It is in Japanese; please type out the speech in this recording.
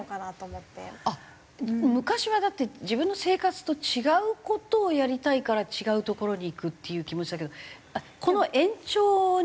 あっ昔はだって自分の生活と違う事をやりたいから違う所に行くっていう気持ちだけどこの延長にいたいんですか？